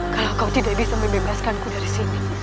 kalau kau tidak bisa membebaskanku dari sini